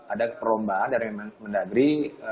ada perombaan dari kemendagri